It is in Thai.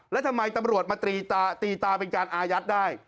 แล้วทำไมตำรวจมาตีตาเป็นการอายัดได้